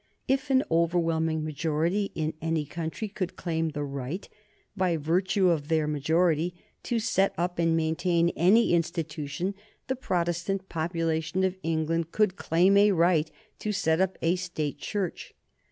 If an overwhelming majority in any country could claim the right, by virtue of their majority, to set up and maintain any institution, the Protestant population of England could claim a right to set up a State Church.